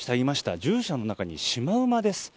獣舎の中にシマウマです。